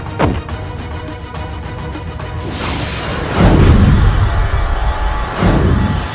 tetapi dekat stay hey kita masih bertemu